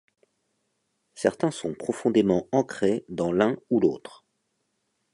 Certains sont profondément ancrés dans l'un ou l'autre.